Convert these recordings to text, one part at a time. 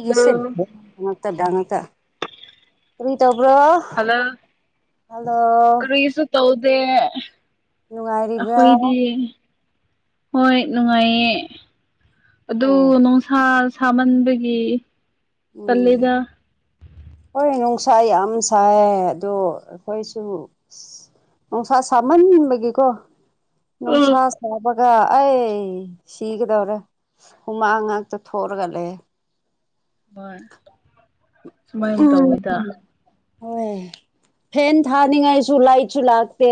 hello ꯁꯦꯉ ꯇ ꯇ ꯭ꯔꯣ ꯍꯜꯂꯣ ꯍꯜꯂꯣ ꯀꯔꯤꯁꯨ ꯇꯧꯗꯦ ꯅꯨꯡꯉꯥꯏꯔꯤꯕ꯭ꯔꯥ ꯑꯩꯈꯣꯏꯗꯤ ꯍꯣꯏ ꯅꯨꯡꯉꯥꯏꯌꯦ ꯑꯗꯨ ꯑꯣ ꯅꯨꯡꯁꯥ ꯁꯥꯃꯟꯕꯒꯤ ꯎꯝ ꯇꯜꯂꯦꯗ ꯍꯣꯏ ꯏꯁꯥꯏ ꯌꯥꯝ ꯁꯥꯏ ꯑꯗꯣ ꯑꯩꯈꯣꯏꯁꯨ ꯑ ꯅꯨꯡꯁꯥ ꯁꯥꯃꯟꯅꯤꯡꯟꯕꯒꯤꯀꯣ ꯅꯨꯡꯁꯥ ꯎꯝ ꯁꯥꯕ ꯑꯩ ꯁꯤꯒꯗꯧꯔꯦ ꯍꯨꯃꯥꯡ ꯉꯥꯛꯇ ꯊꯣꯔꯒ ꯂꯩꯦ ꯍꯣꯏ ꯁꯨꯃꯥꯏꯅ ꯇꯧꯋꯤꯗ ꯍꯣꯏ ꯐꯦꯟ ꯊꯥꯅꯤꯡꯉꯥꯏꯁꯨ ꯂꯥꯏꯠꯁꯨ ꯂꯥꯛꯇꯦ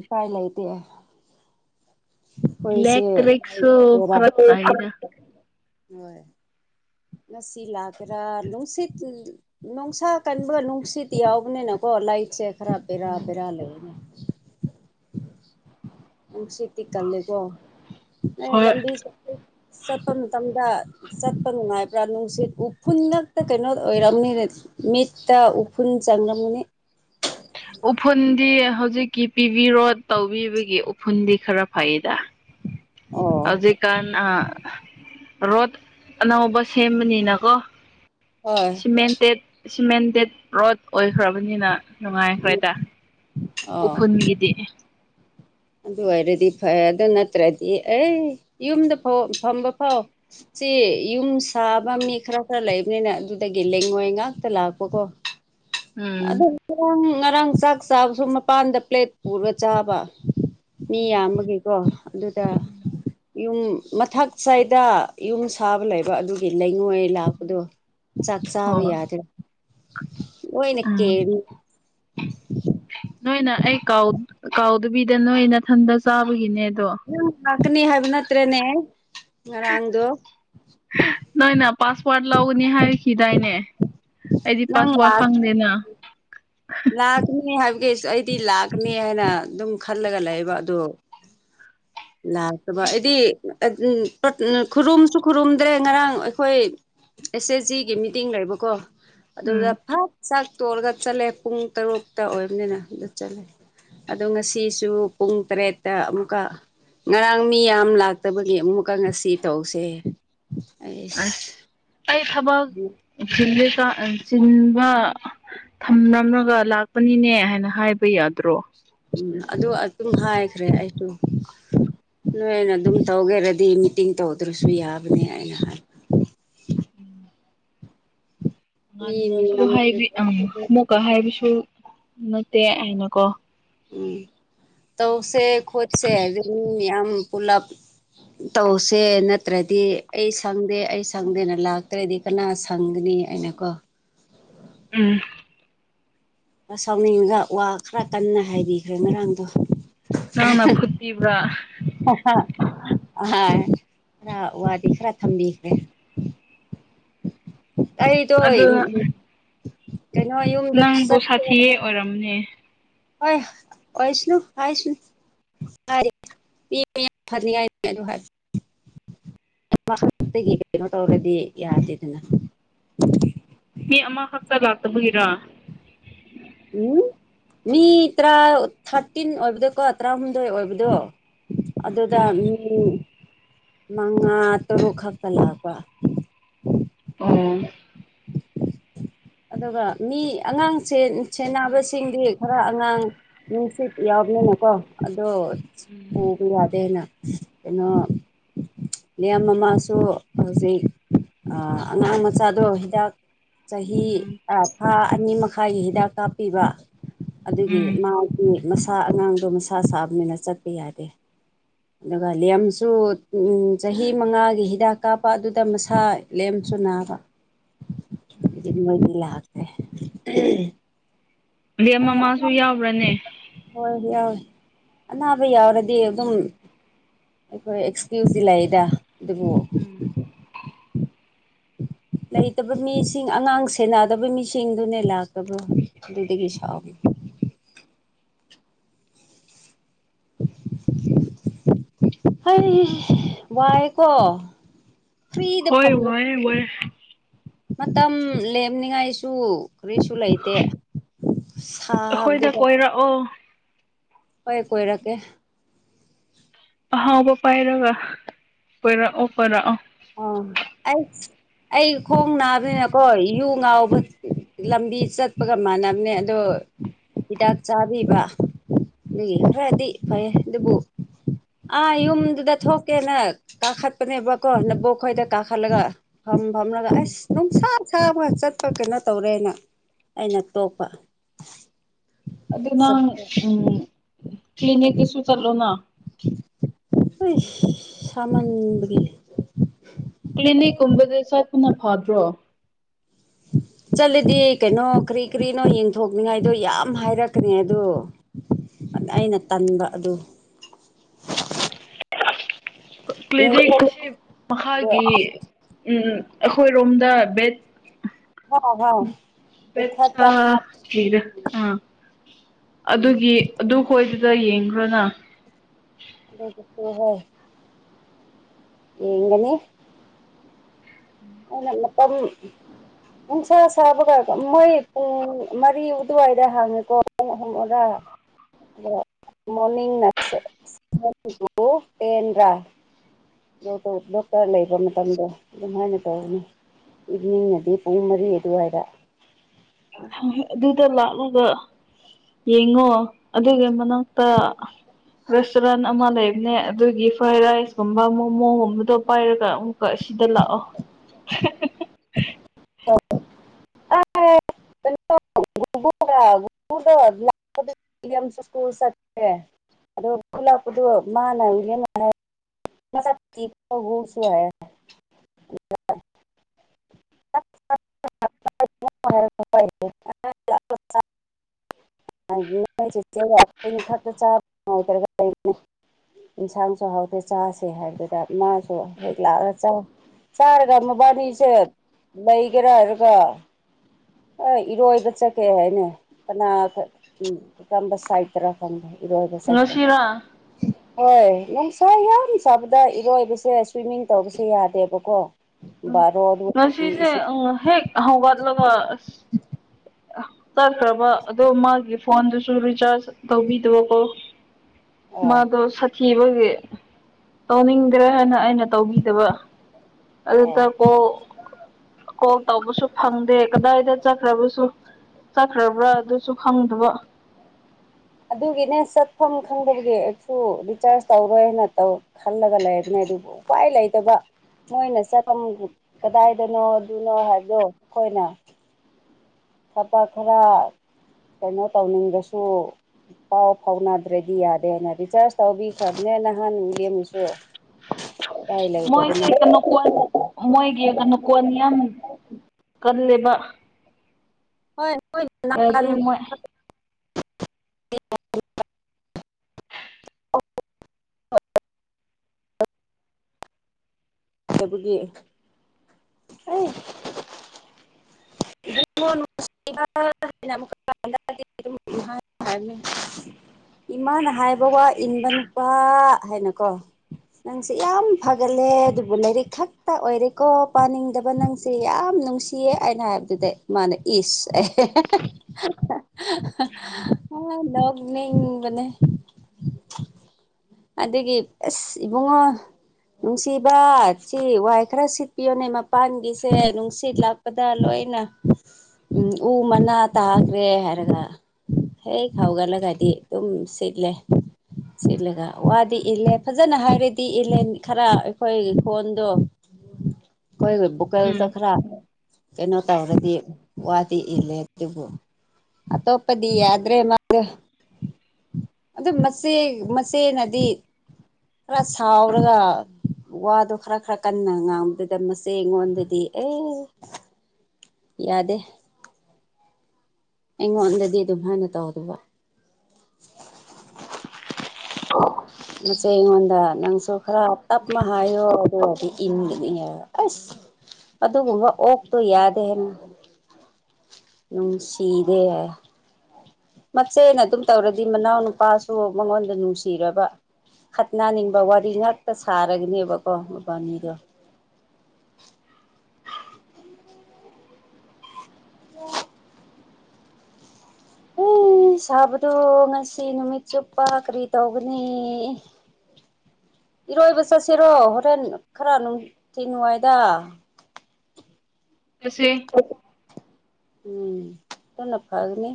ꯏꯄꯥꯏ ꯂꯩꯇꯦ ꯄꯩꯁꯦ ꯏꯂꯦꯛꯇ꯭ꯔꯤꯛꯁꯨ ꯐꯔꯛ ꯇꯥꯏꯗ ꯉꯁꯤ ꯂꯥꯛꯀ꯭ꯔꯥ ꯅꯨꯡꯁꯤꯠ ꯅꯨꯡꯁꯥ ꯀꯟꯕ ꯅꯨꯡꯁꯤꯠ ꯌꯥꯎꯕꯅꯤꯅ ꯑꯩꯈꯣꯏ ꯍ ꯂ ꯏꯁꯦ ꯈꯔ ꯄꯦ ꯔꯥ ꯎꯝ ꯄꯦꯔꯥ ꯂꯩ ꯅꯨꯡꯁꯤꯠꯇꯤ ꯀꯜꯂꯦꯀꯣ ꯅ ꯍꯣꯏ ꯂꯝꯕꯤ ꯆꯠꯄ ꯃꯇꯝꯗ ꯆꯠꯄ ꯅꯨꯡꯉꯥꯏꯕ꯭ꯔꯥ ꯅꯨꯡꯁꯤꯠ ꯎꯐꯨꯜ ꯉꯛꯇ ꯀꯩꯅꯣ ꯑꯣꯏꯔꯝꯅꯤꯅ ꯃꯤꯠꯇ ꯎꯐꯨꯟ ꯖꯥꯡꯥ ꯃꯨꯅꯤ ꯎꯐꯨꯟꯗꯤ ꯍꯧꯖꯤꯛꯀꯤ ꯄꯤꯕꯤꯔꯣ ꯇꯧꯕꯤꯕꯒꯤ ꯎꯐꯨꯟꯗꯤ ꯈꯔ ꯐꯩꯌꯦꯗ ꯑꯣ ꯍꯧꯖꯤꯛꯀꯥꯟ ꯔꯣꯠ ꯑꯅꯧꯕ ꯁꯦꯝꯕꯅꯤꯅꯀꯣ ꯍꯣꯏ ꯁꯤꯃꯦꯟꯇꯦꯠ ꯁꯤꯃꯦꯟꯇꯦꯠ ꯔꯣꯠ ꯑꯣꯏꯈ꯭ꯔꯕꯅꯤꯅ ꯎꯝ ꯅꯨꯡꯉꯥꯏꯈ꯭ꯔꯦꯗ ꯑꯣ ꯎꯐꯨꯜꯒꯤꯗꯤ ꯑꯗꯨ ꯑꯣꯏꯔꯗꯤ ꯐꯩ ꯑꯗꯨ ꯅꯠꯇ꯭ꯔꯗꯤ ꯑꯩ ꯌꯨꯝꯗ ꯐꯝꯕ ꯐꯥꯎ ꯁꯤ ꯌꯨꯝ ꯁꯥꯕ ꯃꯤ ꯈꯔ ꯈꯔ ꯂꯩꯕꯅꯤꯅ ꯑꯗꯨꯗꯒꯤ ꯂꯩꯦꯡꯉꯣꯏ ꯉꯥꯛꯇ ꯂꯥꯛꯄꯀꯣ ꯎꯝ ꯑꯗꯨꯝ ꯉꯥꯡ ꯉꯔꯥꯡ ꯆꯥꯛ ꯆꯥꯕꯁꯨ ꯃꯄꯥꯟꯗ ꯄ꯭ꯂꯦꯠ ꯄꯨꯔꯒ ꯆꯥꯕ ꯃꯤ ꯎꯝ ꯌꯥꯝꯕꯒꯤꯀꯣ ꯑꯗꯨꯗ ꯎꯝ ꯌꯨꯝ ꯃꯊꯛ ꯆꯥꯏꯗ ꯌꯨꯝ ꯁꯥꯕ ꯂꯩꯕ ꯑꯗꯨꯒꯤ ꯂꯩꯉꯣꯏ ꯂꯥꯛ ꯀꯗꯣ ꯆꯛ ꯁꯥꯥꯕꯤ ꯍꯣꯏ ꯌꯥꯔ ꯑꯣꯏꯅꯤ ꯎꯝ [inaudible] ꯅꯣꯏꯅ ꯑꯩꯥꯎ ꯀꯥꯎꯗꯕꯤꯗ ꯅꯣꯏ ꯃꯊꯟꯗ ꯆꯥꯕꯒꯤꯅꯦ ꯑꯗꯣ ꯅꯪ ꯂꯥꯛꯀꯅꯤ ꯍꯥꯏꯕ ꯅꯠꯇ꯭ꯔꯦꯅꯦ ꯉꯔꯥꯡꯗꯣ ꯅꯣꯏꯅ ꯄꯥꯁꯄꯣꯔꯠ ꯂꯧꯒꯅꯤ ꯍꯥꯏꯈꯤꯗꯥꯏꯅꯦ ꯑꯩꯗꯤ ꯅꯪ ꯄꯥꯁ ꯋꯥ ꯂꯥꯛ ꯈꯪꯗꯦꯅ ꯂꯥꯛꯀꯅꯤ ꯍꯥꯏ ꯀꯦꯁ ꯑꯩꯗꯤ ꯂꯥꯛꯀꯅꯤ ꯍꯥꯏꯅ ꯑꯗꯨꯝ ꯈꯜꯂꯒ ꯂꯩꯌꯦꯕ ꯑꯗꯨꯗꯣ ꯂꯥꯛꯇꯕ ꯑꯩꯗꯤ ꯈꯨꯔꯨꯝꯁꯨ ꯈꯨꯔꯨꯝꯗ꯭ꯔꯦ ꯉꯔꯥꯡ ꯑꯩꯈꯣꯏ ꯑꯦꯁ ꯑꯦꯁ ꯖꯤꯒꯤ ꯃꯤꯇꯤꯡ ꯂꯩꯕꯀꯣ ꯑꯗꯨꯗ ꯎꯝ ꯐꯛ ꯁꯥꯛ ꯇꯣꯛꯂꯒ ꯆꯠꯂꯦ ꯄꯨꯡ ꯇꯔꯨꯛꯇ ꯑꯣꯏꯔꯕꯅꯤꯅ ꯑꯗꯨꯗ ꯆꯠꯂꯦ ꯑꯗꯣ ꯉꯁꯤꯁꯨ ꯄꯨꯡ ꯇꯔꯦꯠꯇ ꯑꯃꯨꯛꯀ ꯉꯔꯥꯡ ꯃꯤ ꯌꯥꯝ ꯂꯥꯛꯇꯕꯒꯤ ꯑꯃꯨꯛꯀ ꯉꯁꯤ ꯇꯧꯁꯦ ꯑꯩꯁ ꯑꯁ ꯑꯩ ꯊꯕꯛ ꯆꯜꯂꯤ ꯁꯤꯟꯕ ꯊꯝꯂꯝꯃꯒ ꯂꯥꯛꯄꯅꯤꯅꯦ ꯍꯥꯏꯅ ꯍꯥꯏꯕ ꯌꯥꯗ꯭ꯔꯣ ꯎꯝ ꯑꯗꯨ ꯑꯗꯨꯝ ꯍꯥꯏꯈ꯭ꯔꯦ ꯑꯩꯁꯨ ꯅꯣꯏ ꯑꯅ ꯑꯗꯨꯝ ꯇꯧꯒꯦꯔꯗꯤ ꯃꯤꯇꯤꯡ ꯇꯧꯗ꯭ꯔꯁꯨ ꯌꯥꯕꯅꯦ ꯍꯥꯏꯅ ꯍꯥꯏꯕ ꯎꯝ ꯃꯤ ꯃꯤ ꯉ ꯍꯥꯏꯕꯤ ꯑ ꯑꯃꯨꯛꯀ ꯍꯥꯏꯕꯁꯨ ꯅꯠꯇꯦ ꯑꯩꯅꯀꯣ ꯎꯝ ꯇꯧꯁꯦ ꯈꯠꯁꯦ ꯍꯥꯏ ꯌꯥꯝ ꯄꯨꯂꯞ ꯇꯧꯁꯦ ꯅꯠꯇ꯭ꯔꯗꯤ ꯑꯩ ꯁꯪꯗꯦ ꯑꯩ ꯁꯪꯗꯦꯅ ꯂꯥꯛꯇ꯭ꯔꯗꯤ ꯀꯅꯥ ꯁꯪꯒꯅꯤ ꯑꯩꯅꯀꯣ ꯎꯝ ꯑ ꯁꯥꯎꯅꯤꯡꯉꯒ ꯋꯥ ꯈꯔ ꯀꯟꯅ ꯍꯥꯏꯕꯤꯈ꯭ꯔꯦ ꯉꯔꯥꯡꯗꯣ ꯅꯪꯅ ꯐꯨꯠꯄꯤꯕ꯭ꯔꯥ ꯑ ꯍ ꯑ ꯈꯔ ꯋꯥꯗꯤ ꯈꯔ ꯊꯝꯕꯤꯈ꯭ꯔꯦ ꯑꯩꯗꯣ ꯑꯗꯨ ꯀꯩꯅꯣ ꯌꯨꯝꯗ ꯅꯪꯕꯨ ꯆꯠ ꯁꯥꯊꯤꯌꯦ ꯑꯣꯏꯔꯝꯅꯦ ꯍꯣꯏ ꯑꯣꯏꯁꯅꯣ ꯍꯥꯏꯁ ꯅꯍꯔ ꯒꯤ ꯀꯩꯅꯣ ꯇꯧꯔꯒꯗꯤ ꯌꯥꯗꯦꯗꯅ ꯃꯤ ꯑꯃ ꯍꯛꯇ ꯂꯥꯛꯇꯕꯒꯤꯔꯥ ꯎꯝ ꯃꯤ ꯇꯔꯥ ꯊꯥꯔꯇꯤꯟ ꯑꯣꯏꯕꯗꯣꯀꯣ ꯇꯔꯥꯍꯨꯝꯗꯣꯏ ꯑꯣꯏꯕꯗꯣ ꯑꯗꯨꯗ ꯎꯝ ꯃꯉꯥ ꯇꯔꯨꯛ ꯈꯛꯇ ꯂꯥꯛꯄ ꯑꯣ ꯑꯗꯨꯒ ꯃꯤ ꯑꯉꯥꯡ ꯁꯦꯟꯅꯕꯁꯤꯡꯗꯤ ꯈꯔ ꯑꯉꯥꯡ ꯅꯨꯡꯁꯤꯠ ꯌꯥꯎꯕ ꯀꯣ ꯑꯗꯣ ꯍꯕ ꯌꯥꯗꯦꯅ ꯀꯩꯅꯣ ꯃꯤꯌꯥꯝꯁꯨ ꯍꯧꯖꯤꯛ ꯑꯉꯥꯡ ꯃꯆꯥꯗꯣ ꯍꯤꯗꯥꯛ ꯆꯍꯤ ꯊꯥ ꯑꯅꯤ ꯃꯈꯥꯏꯒꯤ ꯍꯤꯗꯥꯛ ꯀꯥꯞꯄꯤꯕ ꯑꯗꯨꯒꯤ ꯎꯝ ꯃꯥꯗꯤ ꯃꯁꯥ ꯑꯉꯥꯡꯗꯣ ꯃꯁꯥ ꯁꯥꯕꯅꯤꯅ ꯆꯠꯄ ꯌꯥꯗꯦ ꯑꯗꯨꯒ ꯂꯦꯝꯁꯨ ꯆꯍꯤ ꯃꯉꯥꯒꯤ ꯍꯤꯗꯥꯛ ꯀꯥꯞꯄ ꯑꯗꯨꯗ ꯃꯁꯥ ꯂꯦꯝ ꯁꯨ ꯅꯥꯕ ꯎꯝ ꯑꯗꯨꯗꯤ ꯃꯣꯏꯗꯤ ꯂꯥꯛꯁꯦ ꯗꯦ ꯍ ꯃꯃꯥꯁꯨ ꯌꯥꯎꯕ꯭ꯔꯅꯦ ꯑꯅꯥꯕ ꯌꯥꯎꯔꯗꯤ ꯑꯗꯨꯝ ꯑꯩꯈꯣꯏ ꯑꯦꯛꯁꯀ꯭ꯌꯨꯁꯇꯤ ꯂꯩꯗ ꯑꯗꯨꯕꯨ ꯎ ꯂꯩꯇꯕ ꯃꯤꯁꯤꯡ ꯑꯉꯥꯡ ꯁꯦꯟꯅꯗꯕ ꯃꯤꯁꯤꯡꯗꯨꯅꯦ ꯂꯥꯛꯇꯕ꯭ꯔꯣ ꯑꯗꯨꯗꯒꯤ ꯁꯥꯎꯏ [unintelligible] [unintelligible] ꯍ ꯋꯥꯏ ꯀꯣ ꯐ꯭ꯔꯤꯗ ꯍꯣꯏ ꯐꯝꯂꯦ ꯋꯥꯏ ꯋꯥꯏ ꯃꯇꯝ ꯂꯦꯝꯅꯤꯉꯥꯏꯁꯨ ꯀꯔꯤꯁꯨ ꯂꯩꯇꯦ ꯑꯩꯈꯣꯏꯗ ꯁꯥꯕꯗꯨꯗ ꯀꯣꯏꯔꯛꯑꯣ ꯍꯣꯏ ꯀꯣꯏꯔꯀꯦ ꯑꯍꯥꯎꯕ ꯄꯥꯏꯔꯒ ꯄꯣꯏꯔꯛꯑꯣ ꯄꯔꯛꯑꯣ ꯑꯥ ꯑꯩꯁ ꯑꯩ ꯈꯣꯡ ꯅꯥꯕꯅꯀꯣ ꯌꯨ ꯉꯥꯎꯕ ꯂꯝꯕꯤ ꯆꯠꯄꯒ ꯃꯥꯟꯅꯕꯅꯦ ꯑꯗꯣ ꯍꯤꯗꯥꯛ ꯆꯥꯕꯤꯕ ꯭ꯔꯗꯤ ꯐ ꯑꯗꯨꯕꯨꯣ ꯑ ꯌꯃꯗꯨꯗ ꯊ ꯍꯀꯦꯅ ꯀꯥꯈꯠꯄꯅꯤ ꯏꯕꯀꯣ ꯂ ꯕꯣꯛ ꯑꯩꯣꯏꯗ ꯀꯥꯈꯠꯂꯒ ꯐꯝ ꯐꯝꯂꯒ ꯑꯁ ꯅꯨꯡꯁꯥ ꯁꯥꯕꯒ ꯆꯠꯄ ꯀꯩꯅꯣ ꯇꯧꯔꯦꯅ ꯑꯩꯅ ꯇꯣꯛꯞꯄ ꯑꯗꯨ ꯅꯪ ꯎ ꯀ꯭ꯂꯤꯅꯤꯛꯇꯁꯨ ꯆꯠꯂꯣꯅ ꯍ ꯁꯃꯟ ꯀ꯭ꯂꯤꯅꯤꯛꯀꯨꯝꯕꯗ ꯆꯠꯇꯄꯨꯅ ꯐꯥꯗ꯭ꯔꯣ ꯎ ꯆꯠꯂꯗꯤ ꯀꯩꯅꯣ ꯀꯔꯤ ꯀꯔꯤꯅꯣ ꯌꯦꯡꯊꯣꯛꯅꯤꯡꯉꯥꯏꯗꯣ ꯌꯥꯝ ꯍꯥꯏꯔꯛꯈ꯭ꯔꯦ ꯑꯗꯣ ꯑꯩꯅ ꯇꯟꯕ ꯑꯗꯨ ꯀ꯭ꯂꯤꯅꯤꯛ ꯑꯁꯤ ꯃꯍꯥꯛꯀꯤꯒꯤ ꯑꯗꯣ ꯎꯝ ꯑꯩꯈꯣꯏ ꯔꯣꯝꯗ ꯕꯦꯠ ꯍꯥꯎ ꯗ ꯄꯤꯊꯛꯄ ꯑꯥ ꯑꯗꯨꯒꯤ ꯑꯗꯨ ꯈꯣꯏꯗꯨꯗ ꯌꯦꯡꯈ꯭ꯔꯣꯅ ꯂꯩꯠꯇ ꯍꯣꯏ ꯑꯦꯉꯅꯦ ꯑ ꯅꯃꯄ ꯟꯁꯥ ꯁꯥꯕꯒ ꯃꯣꯏ ꯄꯨꯡ ꯃꯔꯤ ꯑꯗꯨꯋꯥꯏꯗ ꯍꯥꯡꯉꯤꯀꯣ ꯄꯨꯡ ꯑꯍꯨꯝꯗ ꯃꯣꯔꯅꯤꯡꯅꯁꯦ ꯄꯟ꯭ꯔꯥ ꯌꯣꯛꯇ ꯗꯣꯛꯇꯔ ꯂꯩꯕ ꯃꯇꯝꯗꯣ ꯑꯗꯨꯝ ꯍꯥꯏꯅ ꯇꯧꯧꯕꯅꯦ ꯏꯚꯅꯤꯡꯅꯗꯤ ꯄꯨꯡ ꯃꯔꯤ ꯑꯗꯨꯋꯥꯏꯗ ꯑꯗꯨꯗ ꯂꯥꯛꯂꯒ ꯌꯦꯡꯉꯣ ꯑꯗꯨꯒꯤ ꯃꯅꯥꯛꯇ ꯔꯦꯁꯇꯨꯔꯦꯟ ꯑꯃ ꯂꯩꯕꯅꯦ ꯑꯗꯨꯒꯤ ꯐ꯭ꯔꯥꯏ ꯔꯥꯏꯁꯀꯨꯝꯕ ꯃꯣꯃꯣꯒꯨꯝꯕꯗꯣ ꯄꯥꯏꯔꯒ ꯑꯃꯨꯛꯀ ꯁꯤꯗ ꯂꯥꯛꯑꯣ ꯑ ꯁꯀꯨꯜ ꯆꯠ꯭ꯔꯦ ꯑꯣ ꯈꯨꯂꯛꯄꯗꯣ ꯃꯥꯅꯒꯅ ꯃꯁ ꯆ ꯁꯨꯌꯥ [unintelligible] ꯆ ꯈ ꯆꯥꯇꯔꯒ ꯏꯟꯁꯥꯡꯁꯨ ꯍꯥꯎꯇꯦ ꯆꯥꯁꯦ ꯍꯥꯏꯕꯗꯨꯗ ꯃꯥꯁꯨ ꯍꯦꯛ ꯂꯥꯛꯑꯒ ꯆꯥ ꯁꯥꯔꯒ ꯃꯕꯥꯅꯤꯁꯦ ꯂꯩꯒꯦꯔꯥ ꯑꯗꯨꯒꯔꯒ ꯍ ꯏꯔꯣꯏꯕ ꯆꯠꯀꯦ ꯍꯥꯏꯅꯦ ꯀꯅꯥ ꯎ ꯀꯔꯝꯕ ꯁꯥꯏꯠꯇꯔꯥ ꯈꯪꯕ ꯏꯒ ꯆ ꯉꯁꯤꯔꯥ ꯍꯣꯏ ꯅꯁꯨ ꯆꯝ ꯆꯥꯕꯗ ꯏꯔꯣꯏꯕꯁꯦ ꯁ꯭ꯋꯤꯝꯃꯤꯡ ꯇꯧꯕꯁꯦ ꯌꯥꯗꯦꯕꯀꯣ ꯎꯝ ꯕꯥꯔꯣ ꯑꯗꯨ ꯉꯁꯤꯁꯦ ꯏꯁꯤꯡ ꯑ ꯍꯦꯛ ꯍꯪꯕꯥꯗꯂ ꯆꯠꯈ꯭ꯔꯕ ꯑꯗꯣ ꯃꯥꯒꯤ ꯐꯣꯟꯗꯨꯁꯨ ꯔꯤꯆꯥꯔꯖ ꯇꯧꯕꯤꯗꯕꯀꯣ ꯑꯣ ꯃꯥꯗꯣ ꯁꯥꯊꯤꯕꯒꯤ ꯇꯧꯅꯤꯡꯗ꯭ꯔꯦ ꯍꯥꯏꯅ ꯑꯩꯅ ꯇꯧꯕꯤꯗꯕ ꯑꯗꯨꯗ ꯑꯣ ꯀꯣ ꯀꯣꯛ ꯇꯧꯕꯁꯨ ꯐꯪꯗꯦ ꯀꯗꯥꯏꯗ ꯆꯠꯈ꯭ꯔꯕꯁꯨ ꯆꯠꯈ꯭ꯔꯕ꯭ꯔꯥ ꯑꯗꯨꯁꯨ ꯈꯪꯗꯕ ꯑꯗꯨꯒꯤꯅꯦ ꯆꯠꯐꯝ ꯈꯪꯗꯕꯒꯤ ꯑꯩꯁꯨ ꯔꯤꯆꯥꯔꯖ ꯇꯧꯔꯣꯏꯅꯧ ꯈꯜꯂꯒ ꯂꯩꯅꯦ ꯑꯗꯨꯕꯨ ꯎꯄꯥꯏ ꯂꯩꯇꯕ ꯃꯣꯏꯅ ꯆꯠꯐꯝ ꯀꯗꯥꯏꯗꯅꯣ ꯑꯗꯨꯅꯣ ꯍꯥꯏꯕꯗꯣ ꯑꯩꯈꯣꯏꯅ ꯊꯕ ꯈꯔ ꯀꯩꯅꯣ ꯇꯧꯅꯤꯡꯕꯁꯨ ꯄꯥꯎ ꯐꯥꯎꯅꯗ꯭ꯔꯗꯤ ꯌꯥꯗꯦꯅ ꯔꯤꯆꯥꯔꯖ ꯇꯧꯕꯤꯈ꯭ꯔꯕꯅꯦ ꯅꯍꯥꯟꯛ ꯌꯦꯡꯃꯤꯁꯨ ꯀꯥꯏ ꯂ ꯇ ꯃꯣꯏꯁꯦ ꯀꯩꯅꯣꯀꯣꯟ ꯃꯣꯏꯒꯤ ꯀꯩꯅꯣ ꯀꯣꯟ ꯌꯥꯝ ꯀꯜꯂꯦꯕ ꯍꯣꯏ ꯍꯣꯏꯅꯥ ꯌꯥꯗꯦ ꯃꯣꯏ ꯍꯕꯒꯤ [inaudible] ꯏꯃꯥꯅ ꯍꯥꯏꯕ ꯋꯥ ꯏꯟꯕ ꯅꯨꯄꯥ ꯍꯥꯏꯅꯀꯣ ꯅꯪꯁ ꯌꯥꯝ ꯐꯒꯠꯂꯦ ꯑꯗꯨꯕꯨ ꯂꯥꯏꯔꯤꯛ ꯈꯛꯇ ꯑꯣꯏꯔꯦꯀꯣ ꯄꯥꯅꯤꯡꯗꯕ ꯅꯪꯁ ꯌꯥꯝ ꯅꯨꯡꯁꯤꯌꯦ ꯑꯩꯅ ꯍꯥꯏꯕꯗꯨꯗꯤ ꯃꯥꯅ ꯏꯁ ꯑꯦ ꯂꯅꯤ ꯃꯅꯦ ꯑꯗꯨꯗꯒꯤ ꯑꯁ ꯏꯕꯨꯡꯉꯣ ꯅꯨꯡꯁꯤꯕ ꯁꯤ ꯋꯥꯏ ꯈꯔ ꯁꯤꯠꯄꯤꯌꯣꯅꯦ ꯃꯄꯥꯟꯒꯤꯁꯦ ꯅꯨꯡꯁꯤꯠ ꯂꯥꯛꯄꯗ ꯂꯣꯏ ꯩꯅ ꯎꯝ ꯎ ꯃꯅꯥ ꯇꯥꯈ꯭ꯔꯦ ꯍꯥꯏꯔꯒ ꯍꯦ ꯈꯥꯎꯒꯂꯒꯗꯤ ꯑꯗꯨꯝ ꯁꯤꯠꯂꯦ ꯁꯤꯠꯂꯒ ꯋꯥꯗꯤ ꯏꯜꯂꯦ ꯐꯖꯅ ꯍꯥꯏꯔꯗꯤ ꯏꯜꯂꯦ ꯈꯔ ꯑꯩꯈꯣꯏ ꯐꯣꯟꯗꯣ ꯀꯣꯏ ꯕꯨꯀꯥꯏꯦꯜ ꯎꯝ ꯇ ꯈꯔ ꯀꯩꯅꯣ ꯇꯧꯔꯗꯤ ꯋꯥꯗꯤ ꯏꯜꯂꯦ ꯑꯗꯨꯕꯨ ꯑꯇꯣꯄꯗꯤ꯭ꯔꯦ ꯑꯗ ꯃꯁ ꯃ ꯍꯠꯇꯦꯅꯗꯤ ꯈꯔ ꯁꯥꯎꯔꯒ ꯋꯥꯗꯣ ꯈꯔ ꯈꯔ ꯀꯟꯅ ꯉꯥꯡꯕꯗꯨꯗ ꯃꯆꯦ ꯑꯩꯉꯣꯟꯗꯗꯤ ꯑꯦ ꯌꯥꯗꯦ ꯑꯩꯉꯣꯟꯗꯗꯤ ꯑꯗꯨꯝ ꯍꯥꯏꯥꯏꯅ ꯇꯧꯗꯕ ꯑꯣ ꯃꯆꯦ ꯑꯩꯉꯣꯟꯗ ꯅꯪꯁꯨ ꯈꯔ ꯇꯞꯅ ꯍꯥꯏꯌꯣ ꯑꯗꯨꯒ ꯑꯣꯏꯔꯗꯤ ꯏꯟꯗꯅꯤꯉꯣ ꯑꯁ ꯑꯗꯨꯒꯨꯝꯕ ꯑꯣꯛꯇꯣ ꯌꯥꯗꯦ ꯍꯥꯏꯦꯟꯅ ꯂꯨ ꯁꯤꯗ ꯍꯥꯏ ꯃꯆꯦꯅ ꯑꯗꯨꯝ ꯇꯧꯔꯗꯤ ꯃꯅꯥꯎꯅꯨꯄꯥꯁꯨ ꯃꯉꯣꯟꯗ ꯅꯨꯡꯁꯤꯔꯕ ꯈꯠꯅꯅꯤꯡꯕ ꯋꯥꯔꯤ ꯉꯥꯛꯇ ꯁꯥꯔꯒꯅꯦꯕꯀꯣ ꯃꯕꯥꯅꯤꯗꯣ [inaudible] ꯍ ꯑꯣ ꯁꯥꯕꯗꯣ ꯉꯁꯤ ꯅꯨꯃꯤꯠ ꯆꯨꯞꯄ ꯀꯔꯤ ꯇꯧꯒꯅꯤ ꯏꯔꯣꯏꯕ ꯆꯠꯁꯤꯔꯣ ꯍꯣꯔꯦꯟ ꯈꯔ ꯅꯨꯡꯇꯤ ꯅꯨꯡꯉꯥꯏꯗ ꯀꯁꯦ ꯎꯝ ꯊꯅ ꯐꯥꯒꯅꯤ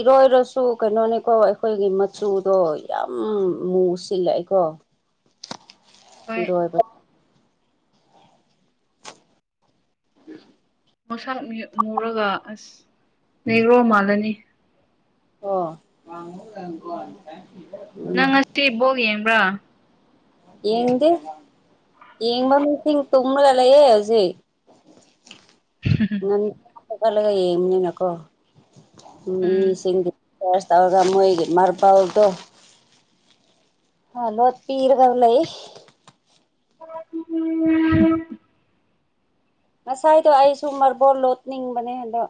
ꯏꯔꯣꯏꯔꯁꯨ ꯀꯩꯅꯣꯅꯤꯀꯣ ꯑꯩꯈꯣꯏꯒꯤ ꯃꯆꯨꯗꯣ ꯌꯥꯝ ꯃꯨ ꯁꯤꯜꯂꯦ ꯑꯩꯈꯣꯏ ꯍꯣꯏ ꯏꯔꯣꯏꯕ ꯃꯁꯥꯛ ꯃꯨꯔꯒ ꯑꯁ ꯅꯩꯔꯣ ꯃꯥꯜꯂꯅꯤ ꯑꯣ ꯋꯥꯉꯣ ꯅꯪ ꯉꯁꯤ ꯏꯕꯣꯛ ꯌꯦꯡꯕ꯭ꯔꯥ ꯌꯦꯡꯗꯤ ꯌꯦꯡꯃ ꯃꯤꯁꯤ ꯇꯣꯃꯂꯂꯌꯦꯦ ꯍꯧꯖꯤ [inaudible] ꯆꯠꯍꯠꯂꯒ ꯌꯦꯡꯕꯅꯤꯅꯀꯣ ꯎꯝ ꯃꯤꯁꯤꯡꯗꯤ ꯆꯁ ꯇꯧꯔꯒ ꯃꯣꯏꯒꯤ ꯃꯔꯄꯜꯗꯣ ꯑ ꯂꯣꯠꯄꯤꯤꯔꯒ ꯂꯩꯏ ꯎꯝ ꯉꯁꯥꯏꯗꯣ ꯑꯩꯁꯨ ꯃꯥꯔꯕꯣꯣꯟ ꯂꯣꯠꯅꯤꯡꯕꯅꯦ ꯑꯟꯗꯣ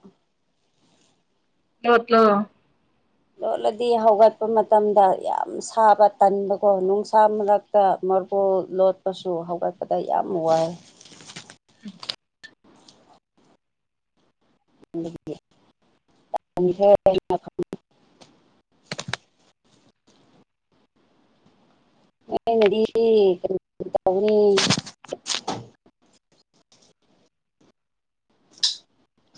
ꯂꯠꯇꯂꯣ ꯂꯣꯠꯂꯗꯤ ꯍꯧꯒꯠꯄ ꯃꯇꯝꯗ ꯌꯥꯝ ꯁꯥꯕ ꯇꯟꯕꯀꯣ ꯅꯨꯡꯁꯥ ꯃꯔꯛꯇ ꯃꯕꯨꯣꯜ ꯂꯣꯠꯄꯁꯨ ꯍꯧꯒꯠꯄꯗ ꯌꯥꯝ ꯋꯥꯏ [inaudible] [inaudible] ꯑ ꯅꯗꯤꯅꯤ [inaudible]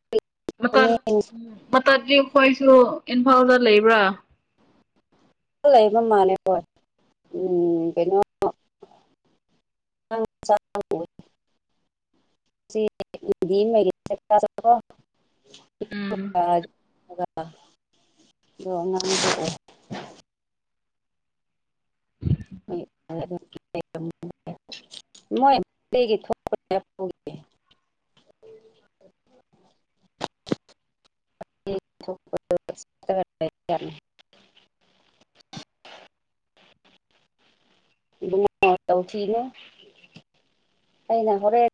ꯍ ꯎ ꯃꯇꯝꯗꯤ ꯑꯩꯈꯣꯏꯁꯨ ꯏꯝꯐꯥꯜꯗ ꯂꯩꯕ꯭ꯔꯥ ꯂꯩꯕ ꯃꯥꯜꯂ ꯍꯣꯏ ꯎꯝ ꯀꯩꯅꯣ ꯑ ꯆꯥꯡ [inaudible] ꯎꯝ [inaudible] ꯑꯗ ꯉꯉꯥꯡ [inaudible] ꯃꯣꯏꯒꯤ ꯊꯣꯛꯄ [inaudible] [inaudible] [inaudible] ꯇꯧꯊꯤꯅꯦ ꯑꯩꯅ ꯍꯣꯔꯦꯟ